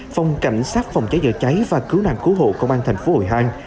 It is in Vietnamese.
phòng cảnh sát phòng cháy dở cháy và cứu nạn cứu hộ công an thành phố hội hàng